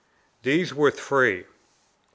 These were three: 1.